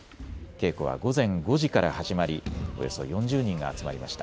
稽古は午前５時から始まりおよそ４０人が集まりました。